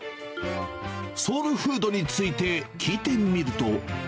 ソウルフードについて聞いてみると。